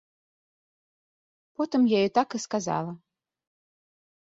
Потым я так ёй і сказала.